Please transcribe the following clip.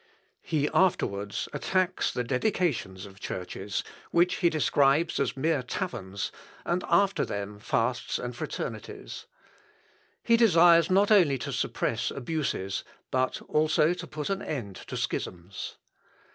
He afterwards attacks the dedications of Churches, (which he describes as mere taverns,) and after them fasts and fraternities. He desires not only to suppress abuses, but also to put an end to schisms.